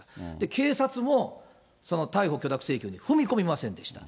警察も逮捕許諾請求に踏み込みませんでした。